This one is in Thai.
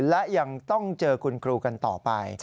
และยังต้องเจอคุณครูกันต่อไป